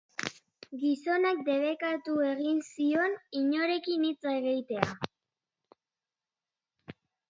Gizonak debekatu egin zion inorekin hitz egitea.